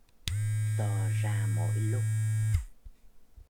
To ra mỗi lúc